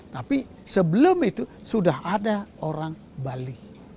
tapi sebelum itu sudah ada orang bali